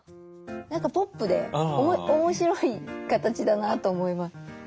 何かポップで面白い形だなと思います。